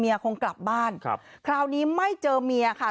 คงกลับบ้านครับคราวนี้ไม่เจอเมียค่ะ